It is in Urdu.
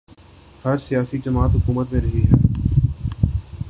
ہر سیاسی جماعت حکومت میں رہی ہے۔